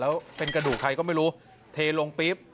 แล้วเป็นปรูขายก็ไม่รู้เธอลงปลิ๊บ